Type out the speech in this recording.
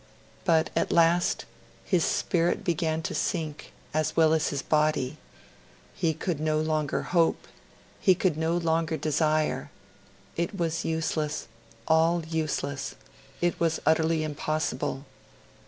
But at last his spirit began to sink as well as his body. He could no longer hope; he could no longer desire; it was useless, all useless; it was utterly impossible.